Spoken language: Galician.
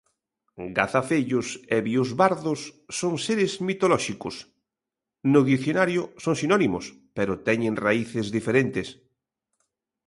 Gazafellos e biosbardos son seres mitolóxicos. No dicionario son sinónimos, pero teñen raíces diferentes.